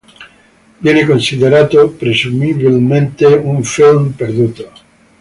Viene considerato presumibilmente un film perduto.